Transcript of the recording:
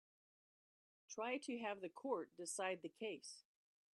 Try to have the court decide the case.